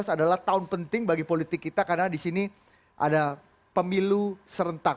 dua ribu adalah tahun penting bagi politik kita karena di sini ada pemilu serentak